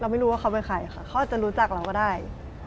คืออาจจะรู้จักเราก็ได้